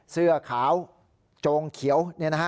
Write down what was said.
เสื้อขาวโจงเขียว